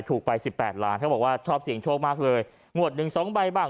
ถูกไปสิบแปดล้านเขาบอกว่าชอบเสียงโชคมากเลยงวดหนึ่งสองใบบ้าง